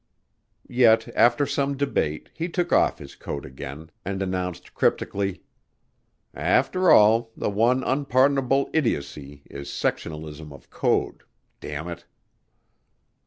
Yet after some debate he took off his coat again and announced cryptically, "After all, the one unpardonable idiocy is sectionalism of code damn it!"